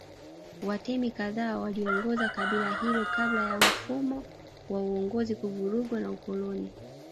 Watemi kadhaa waliongoza kabila hilo kabla ya mfumo wa uongozi kuvurugwa na ukoloni